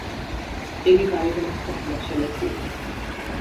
იგი გარედანაც ყოფილა შელესილი.